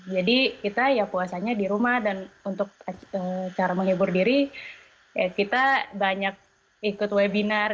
jadi kita ya puasanya di rumah dan untuk cara menghibur diri kita banyak ikut webinar